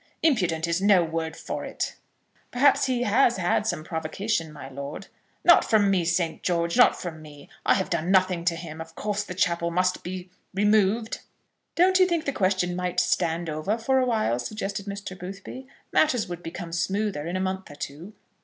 "Impudent is no word for it." "Perhaps he has had some provocation, my lord." "Not from me, St. George; not from me. I have done nothing to him. Of course the chapel must be removed." "Don't you think the question might stand over for a while?" suggested Mr. Boothby. "Matters would become smoother in a month or two."